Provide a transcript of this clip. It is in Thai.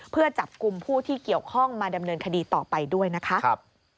เพื่อจับกลุ่มผู้ที่เกี่ยวข้องมาดำเนินคดีต่อไปด้วยนะคะ